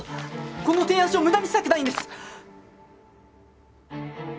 この提案書を無駄にしたくないんです！